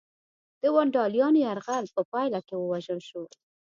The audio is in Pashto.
د ونډالیانو یرغل په پایله کې ووژل شو